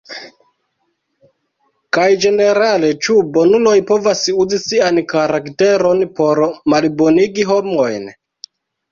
Kaj ĝenerale, ĉu bonuloj povas uzi sian karakteron por malbonigi homojn?